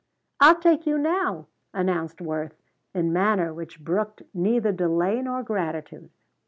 "I'll take you now," announced Worth, in manner which brooked neither delay nor gratitude.